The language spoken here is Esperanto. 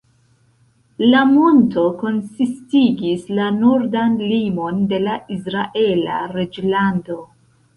La monto konsistigis la nordan limon de la Izraela reĝlando.